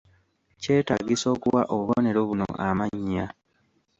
Kyetaagisa okuwa obubonero buno amannya